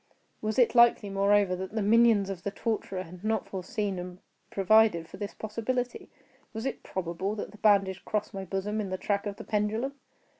Was it likely, moreover, that the minions of the torturer had not foreseen and provided for this possibility? Was it probable that the bandage crossed my bosom in the track of the pendulum?